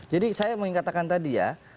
jadi saya mau ingatkan tadi ya